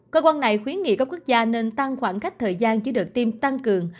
cơ quan này khuyến nghị các quốc gia nên tăng khoảng cách thời gian chỉ được tiêm tăng cường